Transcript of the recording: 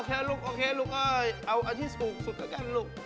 โอเคลูกโอเคลูกเอ้ยเอาอันที่สูงสุดก็ได้กันลูก